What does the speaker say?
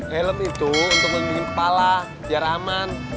helm itu untuk memilih kepala biar aman